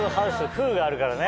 Ｆｕ−があるからね。